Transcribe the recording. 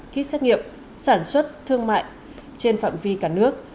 kit xét nghiệm sản xuất thương mại trên phạm vi cả nước